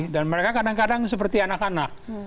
dan mereka kadang kadang seperti anak anak